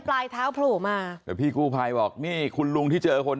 ปลายเท้าโผล่มาแต่พี่กู้ภัยบอกนี่คุณลุงที่เจอคน